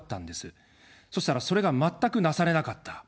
そしたら、それが全くなされなかった。